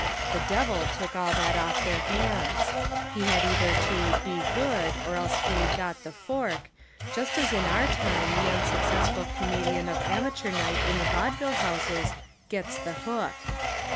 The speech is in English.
The Devil took all that off their hands. He had either to "be good" or else he "got the fork," just as in our time the unsuccessful comedian of amateur night in the vaudeville houses "gets the hook."